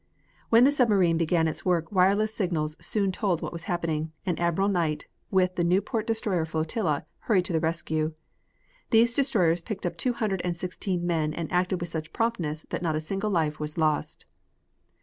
When the submarine began its work wireless signals soon told what was happening, and Admiral Knight, with the Newport destroyer flotilla, hurried to the rescue. These destroyers picked up two hundred and sixteen men and acted with such promptness that not a single life was lost.